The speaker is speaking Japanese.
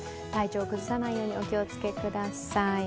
体調を崩さないようにお気をつけください。